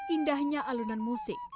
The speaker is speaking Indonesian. indahnya alunan musik